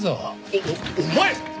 おおお前！